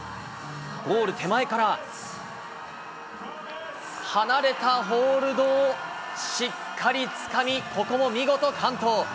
ゴール手前から離れたホールドをしっかりつかみ、ここも見事完登。